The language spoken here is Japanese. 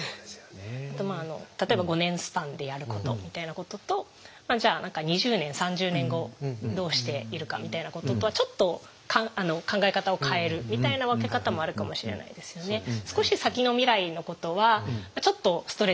あとまあ例えば５年スパンでやることみたいなこととじゃあ何か２０年３０年後どうしているかみたいなこととはちょっと考え方を変えるみたいな分け方もあるかもしれないですよね。